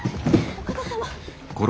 お方様。